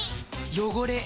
汚れ。